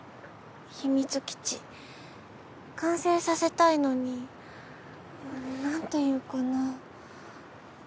秘密基地完成させたいのになんていうかな。